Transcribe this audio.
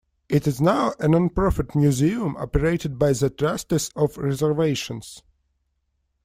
It is now a nonprofit museum operated by The Trustees of Reservations.